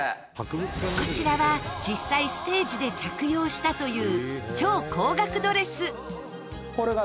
こちらは、実際、ステージで着用したという超高額ドレス和田：